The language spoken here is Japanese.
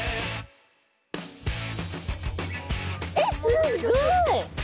えっすっごい。